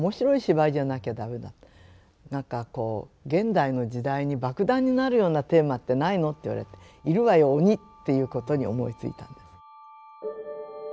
何かこう現代の時代に爆弾になるようなテーマってないの？」って言われて「いるわよ鬼」っていうことに思いついたんです。